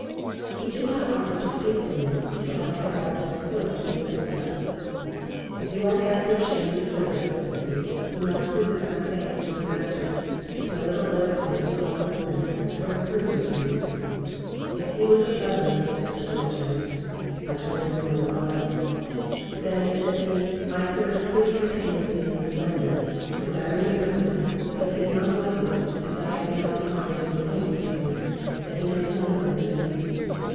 He did not offer to speak to me, till I had walked up close to his bed side:—If you are captain Shandy's servant, said he, you must present my thanks to your master, with my little boy's thanks along with them, for his courtesy to me;—if he was of Levens's—said the lieutenant.—I told him your honour was—Then, said he, I served three campaigns with him in Flanders, and remember him,—but 'tis most likely, as I had not the honour of any acquaintance with him, that he knows nothing of me.